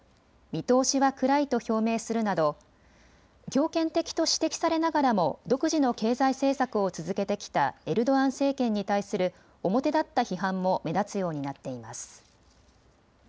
見通しは暗いと表明するなど強権的と指摘されながらも独自の経済政策を続けてきたエルドアン政権に対する表立った批判も目立つようになっています。